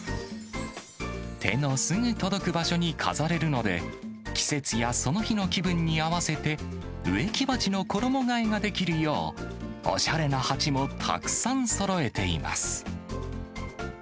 手のすぐ届く場所に飾れるので、季節やその日の気分に合わせて、植木鉢の衣がえができるよう、おしゃれな鉢もたくさんそろえています。